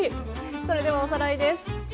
それではおさらいです。